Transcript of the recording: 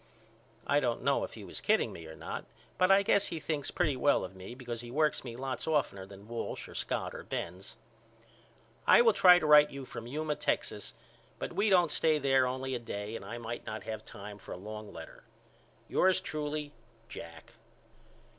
I don't know if he was kidding me or not but I guess he thinks pretty well of me because he works me lots oftener than Walsh or Scott or Benz. I will try to write you from Yuma, Texas, but we don't stay there only a day and I may not have time for a long letter. Yours truly, JACK.